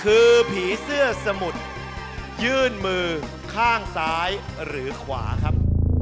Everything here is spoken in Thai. คือผีเสื้อสมุทรยื่นมือข้างซ้ายหรือขวาครับ